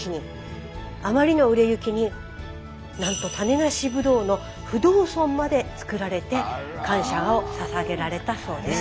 あまりの売れ行きになんと種なしブドウの不動尊までつくられて感謝をささげられたそうです。